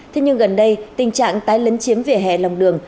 thế nhưng gần đây tình trạng tái lấn chiếm vỉa hè lòng đường